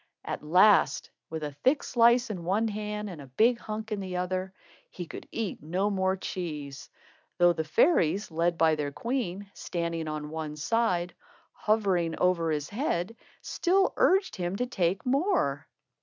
At last, with a thick slice in one hand and a big hunk in the other, he could eat no more cheese; though the fairies, led by their queen, standing on one side, or hovering over his head, still urged him to take more.